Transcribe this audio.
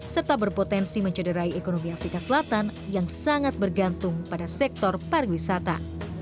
serta berpotensi mencederai ekonomi afrika selatan yang sangat bergantung pada sektor pariwisata